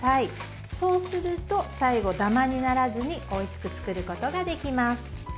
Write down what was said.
そうすると最後、ダマにならずにおいしく作ることができます。